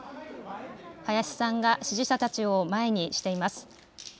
林さんが支持者たちを前にしています。